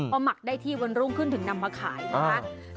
พอหมักได้ที่วันรุ่งขึ้นถึงนำมาขายนะคะ